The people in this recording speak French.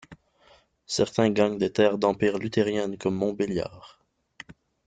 Certains gagnent des terres d'Empire luthériennes comme Montbéliard.